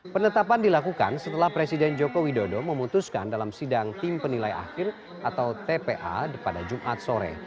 penetapan dilakukan setelah presiden joko widodo memutuskan dalam sidang tim penilai akhir atau tpa pada jumat sore